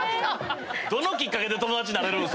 ⁉どのきっかけで友達になれるん？